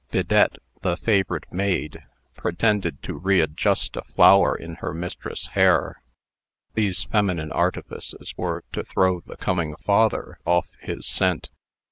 Bidette, the favorite maid, pretended to readjust a flower in her mistress's hair. These feminine artifices were to throw the coming father off his scent.